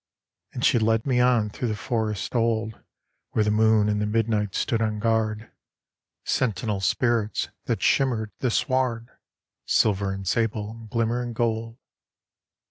And she led me on through the forest old, Where the moon and the midnight stood on guard, Sentinel spirits that shimmered the sward, Silver and sable and glimmering gold.